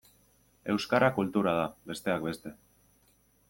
Euskara kultura da, besteak beste.